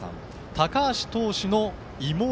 高橋投手の妹。